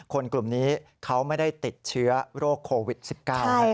กลุ่มนี้เขาไม่ได้ติดเชื้อโรคโควิด๑๙นะครับ